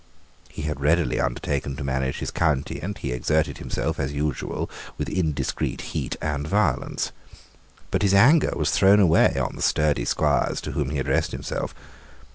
He had readily undertaken to manage his county; and he exerted himself, as usual, with indiscreet heat and violence. But his anger was thrown away on the sturdy squires to whom he addressed himself.